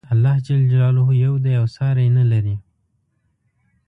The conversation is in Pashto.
الله ج یو دی او ساری نه لري.